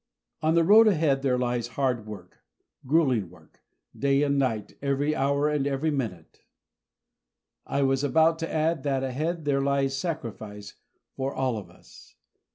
On the road ahead there lies hard work grueling work day and night, every hour and every minute. I was about to add that ahead there lies sacrifice for all of us.